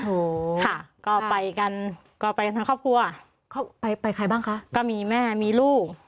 โหค่ะก็ไปกันก็ไปกันทั้งครอบครัวเขาไปไปใครบ้างคะก็มีแม่มีลูก